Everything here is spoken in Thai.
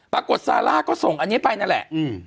ปรากฏซาร่าก็ส่งอันนี้ไปนั่นแหละอืม